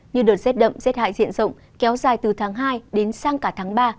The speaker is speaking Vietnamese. như đợt rét đậm rét hại diện rộng kéo dài từ tháng hai đến sang cả tháng ba